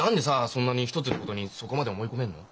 そんなに一つのことにそこまで思い込めるの？